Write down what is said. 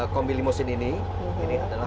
kombi limousin ini ini adalah